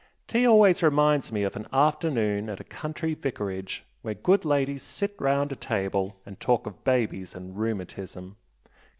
Tea always reminds me of an afternoon at a country vicarage where good ladies sit round a table and talk of babies and rheumatism.